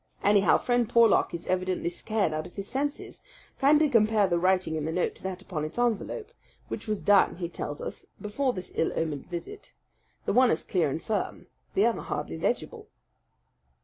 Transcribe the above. Anyhow, Friend Porlock is evidently scared out of his senses kindly compare the writing in the note to that upon its envelope; which was done, he tells us, before this ill omened visit. The one is clear and firm. The other hardly legible."